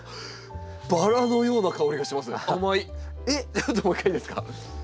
ちょっともう一回いいですか。